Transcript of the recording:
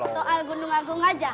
soal gunung agung aja